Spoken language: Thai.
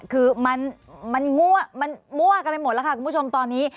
คือมันมันมั่วมันมั่วกันไปหมดแล้วค่ะคุณผู้ชมตอนนี้